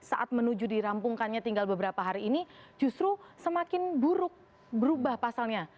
saat menuju dirampungkannya tinggal beberapa hari ini justru semakin buruk berubah pasalnya